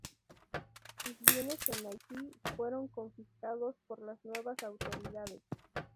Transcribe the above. Sus bienes en Haití fueron confiscados por las nuevas autoridades.